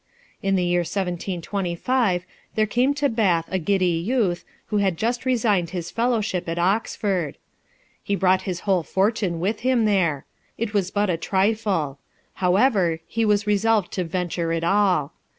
In the year 1725, there came to Bath a giddy youth, who had just resigned his fellowship at Oxford. He brought his whole fortune with him there ; it was but a trifle ; however, he was resolved to venture it all.